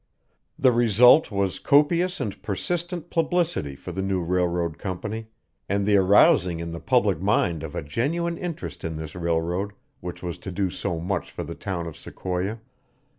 The result was copious and persistent publicity for the new railroad company, and the arousing in the public mind of a genuine interest in this railroad which was to do so much for the town of Sequoia.